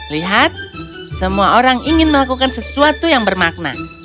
lihat semua orang ingin melakukan sesuatu yang bermakna